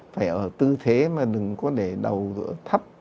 phải ở tư thế mà đừng có để đầu giữa thấp